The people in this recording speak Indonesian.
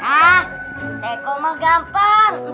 hah dekok mah gampang